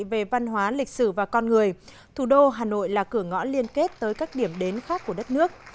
về văn hóa lịch sử và con người thủ đô hà nội là cửa ngõ liên kết tới các điểm đến khác của đất nước